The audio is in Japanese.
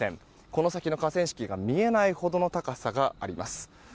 この先の河川敷が見えないほどの高さがあります。